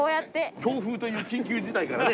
強風という緊急事態からね